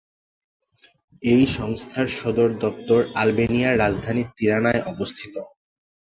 এই সংস্থার সদর দপ্তর আলবেনিয়ার রাজধানী তিরানায় অবস্থিত।